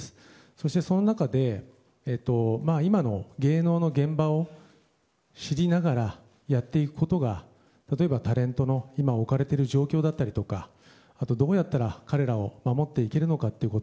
そして、その中で今の芸能の現場を知りながらやっていくことが例えばタレントの今置かれている状況だったりとかあと、どうやったら彼らを守っていけるのか。